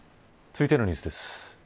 続いてのニュースです。